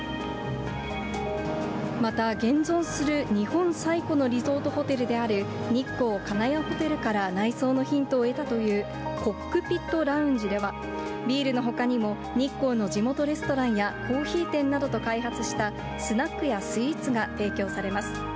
また現存する日本最古のリゾートホテルである、日光金谷ホテルから内装のヒントを得たというコックピットラウンジでは、ビールのほかにも、日光の地元レストランや、コーヒー店などと開発した、スナックやスイーツが提供されます。